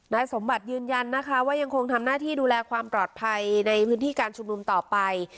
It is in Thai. สมบัติยืนยันนะคะว่ายังคงทำหน้าที่ดูแลความปลอดภัยในพื้นที่การชุมนุมต่อไป